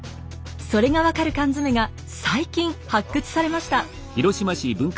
それが分かる缶詰が最近発掘されました。